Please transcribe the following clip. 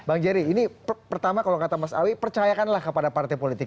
bang jerry ini pertama kalau kata mas awi percayakanlah kepada partai politik